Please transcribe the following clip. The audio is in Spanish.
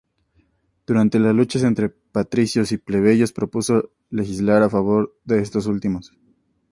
Durante las luchas entre patricios y plebeyos, propuso legislar a favor de estos últimos.